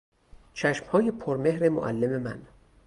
چشمهای پرمهر معلم من